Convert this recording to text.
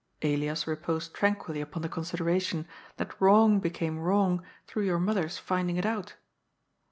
Elias reposed tranquilly upon the consideration that wrong became wrong through your mother's finding it out.